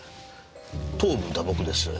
頭部打撲です。